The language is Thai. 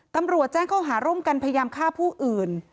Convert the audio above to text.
ตำรวจแจ้งข้อหาร่วมกันพยายามฆ่าผู้อื่น